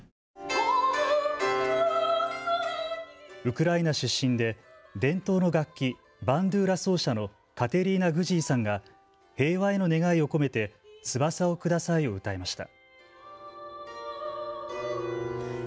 ウクライナ出身で伝統の楽器、バンドゥーラ奏者のカテリーナ・グジーさんが平和への願いを込めて翼をくださいを歌いました。